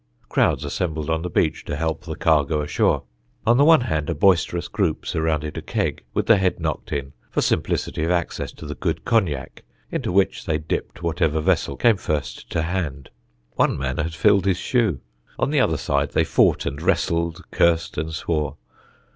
Crowds assembled on the beach to help the cargo ashore. On the one hand a boisterous group surrounded a keg with the head knocked in, for simplicity of access to the good cognac, into which they dipped whatsoever vessel came first to hand; one man had filled his shoe. On the other side they fought and wrestled, cursed and swore.